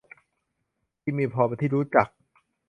ที่มีพอเป็นที่รู้จัก